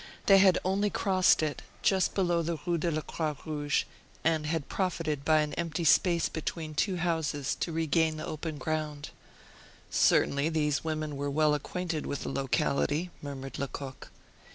They had only crossed it, just below the Rue de la Croix Rouge, and had profited by an empty space between two houses to regain the open ground. "Certainly these women were well acquainted with the locality," murmured Lecoq.